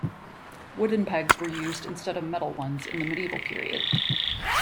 Wooden pegs were used instead of metal ones in the medieval period.